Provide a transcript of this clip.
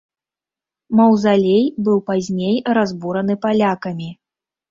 Маўзалей быў пазней разбураны палякамі.